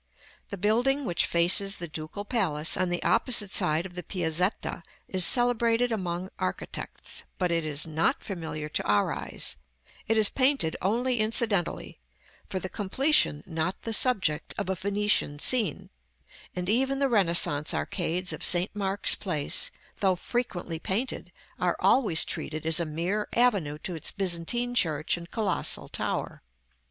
The building which faces the Ducal Palace on the opposite side of the Piazzetta is celebrated among architects, but it is not familiar to our eyes; it is painted only incidentally, for the completion, not the subject, of a Venetian scene; and even the Renaissance arcades of St. Mark's Place, though frequently painted, are always treated as a mere avenue to its Byzantine church and colossal tower.